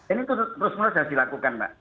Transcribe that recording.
ini terus menerus harus dilakukan mbak